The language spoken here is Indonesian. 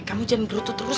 kamu jangan berutuh terus